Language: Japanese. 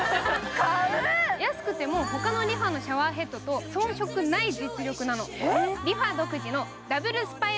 安くても他のＲｅＦａのシャワーヘッドと遜色ないの。